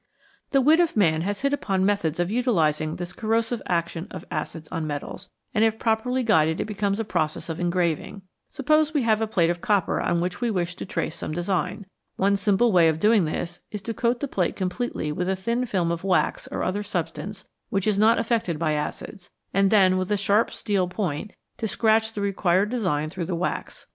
The wit of man has hit upon methods of utilising this corrosive action of acids on metals, and if properly guided it becomes a process of engraving. Suppose we have a plate of copper on which we wish to trace some design. One simple way of doing this is to coat the plate com pletely with a thin film of wax or other substance which is not affected by acids, and then with a sharp steel point to scratch the required design through the wax.